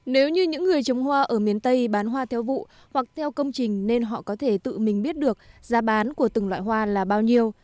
nếu như những người trồng hoa ở miền tây bán hoa theo vụ hoặc theo công trình nên họ có thể tự mình biết được giá bán của từng loại hoa là bao nhiêu